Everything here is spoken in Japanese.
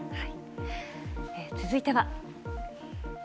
続いては。